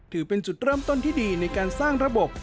ถือเป็นจุดเริ่มต้นที่ดีในการสร้างระบบ